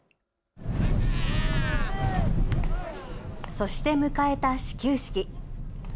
そして迎えた始球式。